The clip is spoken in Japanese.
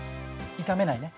炒めないね。